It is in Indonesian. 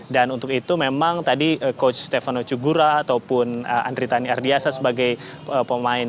dan untuk itu memang tadi coach stefano cugura ataupun andritani ardiasa sebagai pemain